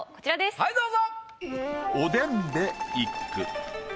はいどうぞ。